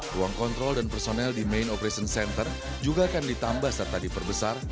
ruang kontrol dan personel di main operation center juga akan ditambah serta diperbesar